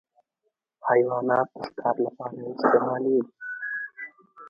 حیوانات د ښکار لپاره استعمالېږي.